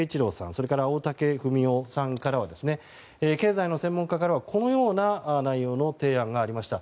それから、大竹文雄さんからは経済の専門家からはこのような内容の提案がありました。